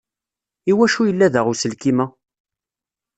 Iwacu yella da uselkim-a?